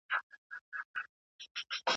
د داخلي تولیداتو د ودي لپاره هڅي کوئ.